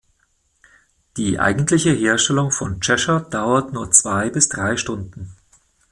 Die eigentliche Herstellung von Cheshire dauert nur zwei bis drei Stunden.